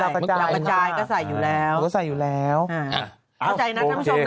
เข้าใจนะทั้งผู้ชม